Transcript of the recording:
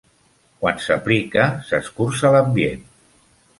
Quan s'aplica, s'escurça l'ambient.